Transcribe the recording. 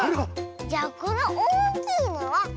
じゃこのおおきいのはスイね。